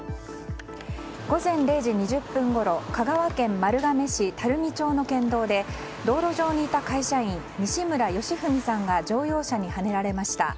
午前０時２０分ごろ香川県丸亀市垂水町の県道で道路上にいた会社員西村好史さんが乗用車にはねられました。